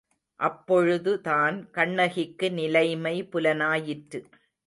அப்பொழுது தான் கண்ணகிக்கு நிலைமை புலனாயிற்று.